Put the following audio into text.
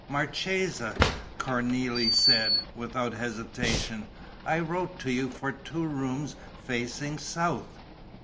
"Marchesa," Cornélie said, without hesitation, "I wrote to you for two rooms facing south."